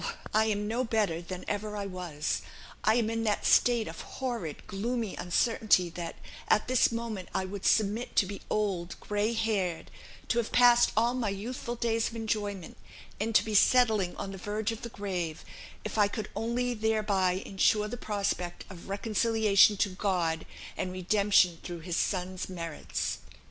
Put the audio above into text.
I am no better than ever I was. I am in that state of horrid, gloomy uncertainty that, at this moment, I would submit to be old, grey haired, to have passed all my youthful days of enjoyment, and to be settling on the verge of the grave, if I could only thereby ensure the prospect of reconciliation to God, and redemption through his Son's merits.